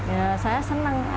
ya saya senang lah